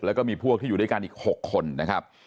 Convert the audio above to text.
แล้วก็มีพวกที่อยู่ด้วยกันอีก๖คนนะครับ